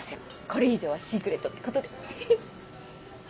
これ以上はシークレットってことでフフっ。